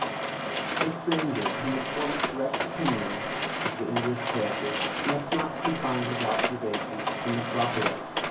THE stranger who would form a correct opinion of the English character, must not confine his observations to the metropolis.